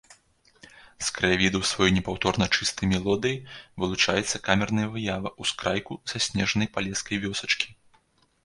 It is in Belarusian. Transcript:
З краявідаў сваёй непаўторна-чыстай мелодыяй вылучаецца камерная выява ўскрайку заснежанай палескай вёсачкі.